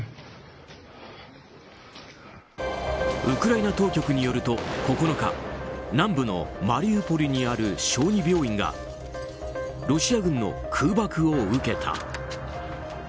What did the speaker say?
ウクライナ当局によると９日南部のマリウポリにある小児病院がロシア軍の空爆を受けた。